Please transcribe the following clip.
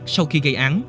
sau khi gây án